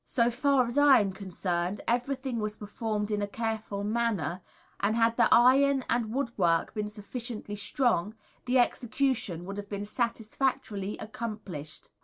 So far as I am concerned, everything was performed in a careful manner, and had the iron and woodwork been sufficiently strong, the execution would have been satisfactorily accomplished.